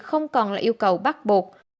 sẽ được yêu cầu bắt buộc